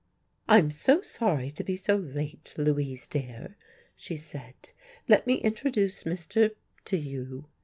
"I'm so sorry to be so late, Louise, dear," she said. "Let me introduce Mr. to you."